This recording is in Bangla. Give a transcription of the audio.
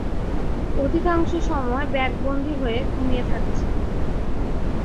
অধিকাংশ সময় ব্যাগবন্দি হয়ে ঘুমিয়ে থাকছে।